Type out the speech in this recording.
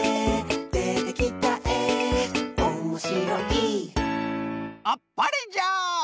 「でてきたえおもしろい」あっぱれじゃ！